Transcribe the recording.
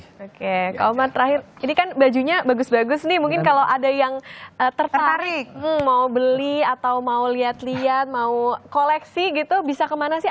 oke kak omar terakhir ini kan bajunya bagus bagus nih mungkin kalau ada yang tertarik mau beli atau mau lihat lihat mau koleksi gitu bisa kemana sih